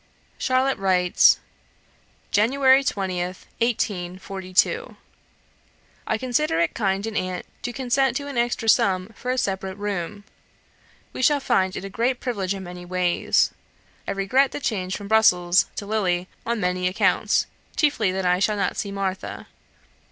Charlotte writes: "January 20th, 1842. "I consider it kind in aunt to consent to an extra sum for a separate room. We shall find it a great privilege in many ways. I regret the change from Brussels to Lille on many accounts, chiefly that I shall not see Martha.